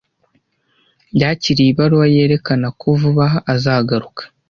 Yakiriye ibaruwa yerekana ko vuba aha azagaruka.